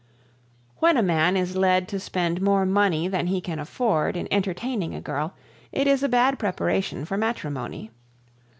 When a man is led to spend more money than he can afford in entertaining a girl it is a bad preparation for matrimony.